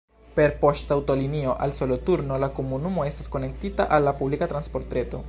Per poŝtaŭtolinio al Soloturno la komunumo estas konektita al la publika transportreto.